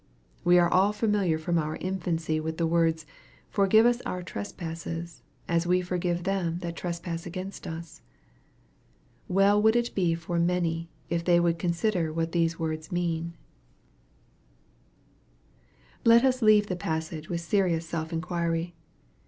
We are all familiar from our infancy with the words, " forgive us our trespasses as we forgive them that trespass against us." Well would it be for many, if they would consider what those words mean 1 Let us leave the passage with serious self inquiry.